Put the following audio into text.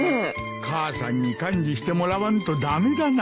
母さんに管理してもらわんと駄目だな。